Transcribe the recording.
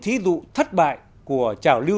thí dụ thất bại của chảo lưu